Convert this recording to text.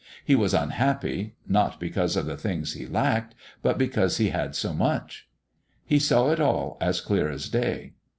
He was unhappy, not because of the things he lacked, but because he had so much. He saw it all as clear as day.